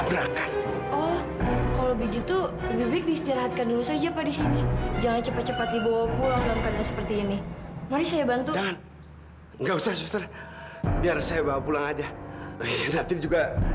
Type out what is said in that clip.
baik pak mari saya bantu